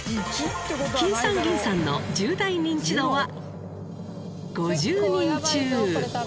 きんさんぎんさんの１０代ニンチドは５０人中。